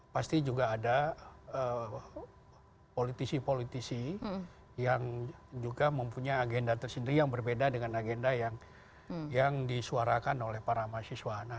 pasti juga ada politisi politisi yang juga mempunyai agenda tersendiri yang berbeda dengan agenda yang disuarakan oleh para mahasiswa